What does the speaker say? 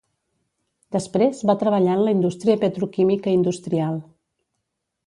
Després va treballar en la indústria petroquímica industrial.